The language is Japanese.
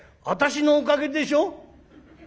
「私のおかげでしょ？」。